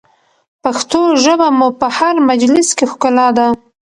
پښتو ژبه مو په هر مجلس کې ښکلا ده.